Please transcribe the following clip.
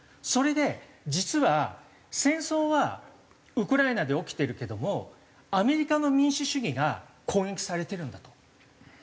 それで実は戦争はウクライナで起きてるけどもアメリカの民主主義が攻撃されてるんだと。